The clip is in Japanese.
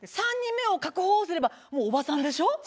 ３人目を確保すればもうおばさんでしょ？